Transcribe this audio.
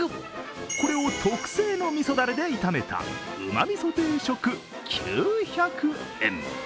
これを特製のみそだれで炒めたうまみそ定食９００円。